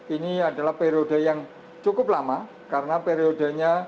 ini adalah periode yang cukup lama karena periodenya